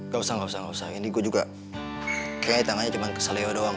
gak usah gak usah ini gue juga kayaknya tangannya cuma kesel doang